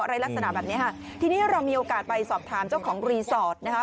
อะไรลักษณะแบบนี้ค่ะทีนี้เรามีโอกาสไปสอบถามเจ้าของรีสอร์ทนะคะ